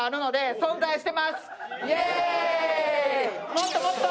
もっともっと！